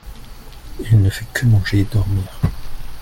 Il ne fait que manger et dormir.